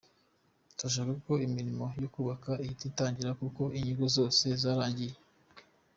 Turashaka ko imirimo yo kubaka ihita itangira kuko inyigo zose zarangiye.”